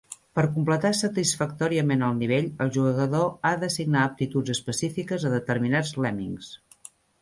Per completar satisfactòriament el nivell, el jugador ha d'assignar aptituds específiques a determinats lemmings.